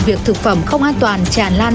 việc thực phẩm không an toàn tràn lan